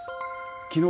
きのう